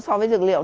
so với dược liệu